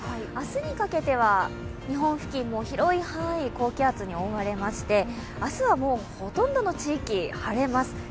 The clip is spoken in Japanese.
明日にかけては日本付近も広い範囲で高気圧に覆われまして明日は、ほとんどの地域、晴れます。